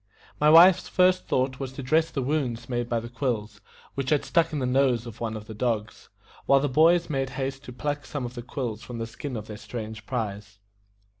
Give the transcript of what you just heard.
My wife's first thought was to dress the wounds made by the quills, which had stuck in the nose of one of the dogs, while the boys made haste to pluck some of the quills from the skin of their strange prize.